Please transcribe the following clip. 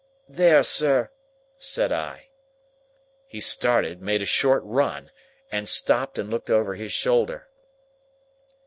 "There, sir!" said I. He started, made a short run, and stopped and looked over his shoulder.